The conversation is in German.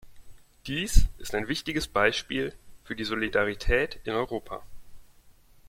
Dies ist ein wichtiges Beispiel für die Solidarität in Europa.